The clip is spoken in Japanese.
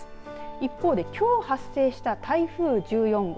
一方できょう発生した台風１４号